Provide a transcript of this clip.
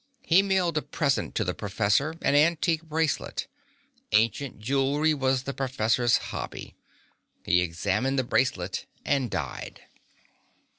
He mailed a present to the professor, an antique bracelet. Ancient jewelry was the professor's hobby. He examined the bracelet and died.